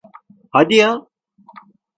Haydi ya!